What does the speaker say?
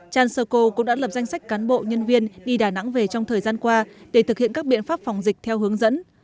transurco cũng đã lập danh sách cán bộ nhân viên đi đà nẵng về trong thời gian qua để thực hiện các biện pháp phòng dịch theo hướng dẫn